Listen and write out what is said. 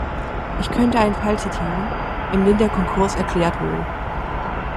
Ich könnte einen Fall zitieren, in dem der Konkurs erklärt wurde.